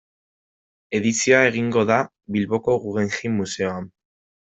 Edizioa egingo da Bilboko Guggenheim museoan.